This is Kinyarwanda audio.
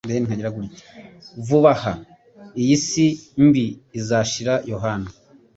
Vuba aha iyi si mbi izashira Yohana